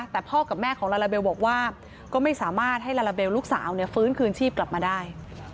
แต่พ่อกับแม่ของลาลาเบลบอกว่าก็ไม่สามารถให้ลาลาเบลลูกสาวฟื้นคืนชีพกลับมาได้